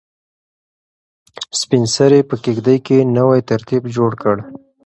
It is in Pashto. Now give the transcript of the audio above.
سپین سرې په کيږدۍ کې نوی ترتیب جوړ کړ.